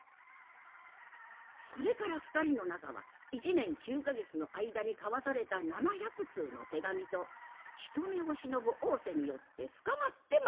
それから２人の仲は１年９か月の間に交わされた７００通の手紙と人目を忍ぶおうせによって深まってまいります。